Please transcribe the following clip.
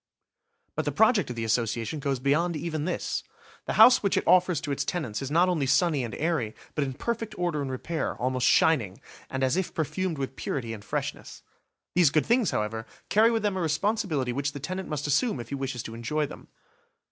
But the project of the Association goes beyond even this. The house which it offers to its tenants is not only sunny and airy, but in perfect order and repair, almost shining, and as if perfumed with purity and freshness. These good things, however, carry with them a responsibility which the tenant must assume if he wishes to enjoy them.